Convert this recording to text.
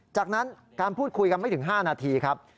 จากนั้นการพูดคุยกันไม่ถึง๕นาทีครับ